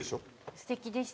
すてきでした。